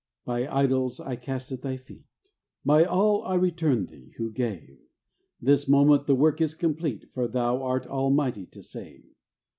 My idols I cast at Thy feet, My all I return Thee who gave ; This moment the work is complete, For Thou art almighty to save.